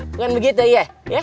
bukan begitu ya